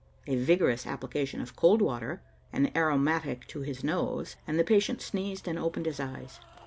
A vigorous application of cold water, an aromatic to his nose, and the patient sneezed and opened his eyes.